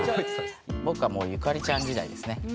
僕がもうゆかりちゃん時代ですね。